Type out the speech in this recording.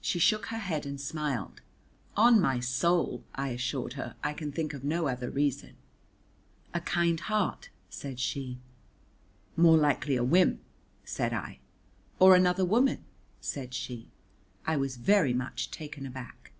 She shook her head and smiled. "On my soul," I assured her, "I can think of no other reason." "A kind heart," said she. "More likely a whim," said I. "Or another woman," said she. I was very much taken aback.